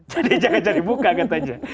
jadi jangan cari muka katanya